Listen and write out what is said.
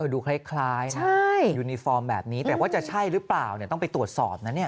ดูคล้ายนะยูนิฟอร์มแบบนี้แต่ว่าจะใช่หรือเปล่าเนี่ยต้องไปตรวจสอบนะเนี่ย